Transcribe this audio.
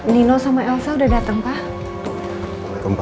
nino sama elsa udah datang pak